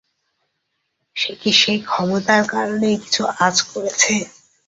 সে কি সেই ক্ষমতার কারণেই কিছু আঁচ করছে?